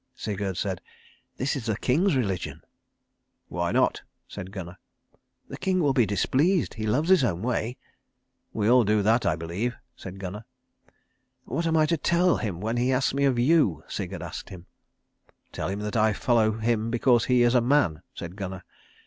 Sigurd said, "This is the king's religion." "Why not?" said Gunnar. "The king will be displeased. He loves his own way." "We all do that, I believe," said Gunnar. "What am I to tell him when he asks me of you?" Sigurd asked him. "Tell him that I follow him because he is a man," said Gunnar.